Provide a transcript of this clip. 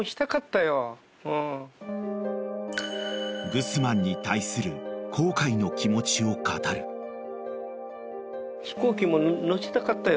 ［グスマンに対する後悔の気持ちを語る］だけど。